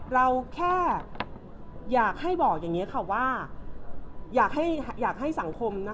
เราแค่อยากให้บอกอย่างเงี้ยค่ะว่าอยากให้อยากให้สังคมนะคะ